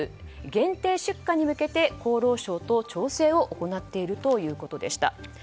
限定出荷に向けて厚労省と調整を行っているということでした。